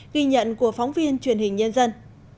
ghi nhận của phóng viên truyền hình nhân dân